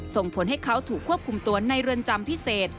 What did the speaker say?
ส่งผลให้เขาถูกควบคุมตัวในเรือนจำพิเศษ